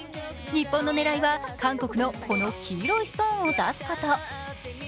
日本の狙いは韓国の黄色いストーンを出すこと。